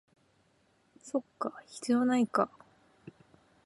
そっか、必要ないか